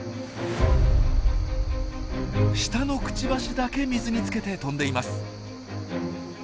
下のクチバシだけ水につけて飛んでいます。